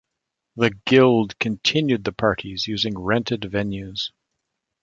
The Guild continued the parties using rented venues.